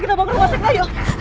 kita bawa ke rumah sakit lagi yuk